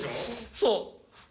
そう。